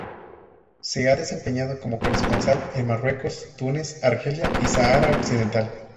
Se ha desempeñado como corresponsal en Marruecos, Túnez, Argelia y Sáhara Occidental.